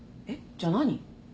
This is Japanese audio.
じゃあ何？